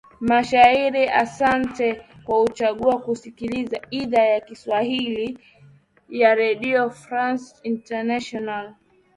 a mashariki asante kwa kuchagua kusikiliza idhaa ya kiswahili ya radio france international